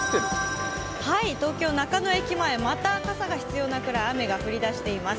東京・中野駅前、また傘が必要なくらい、雨が降り出しています。